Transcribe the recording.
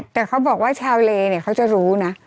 แต่เขาบอกว่าชาวเลเนี่ยเขาจะรู้นะ